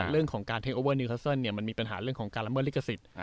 เรื่องของการเทคโอเวอร์นิวคัสเซิลมันมีปัญหาเรื่องของการละเมิดลิขสิทธิ์